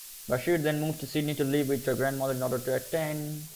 Bashir then moved to Sydney to live with her grandmother in order to attend.